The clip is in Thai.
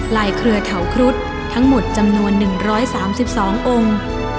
เครือเถาครุฑทั้งหมดจำนวน๑๓๒องค์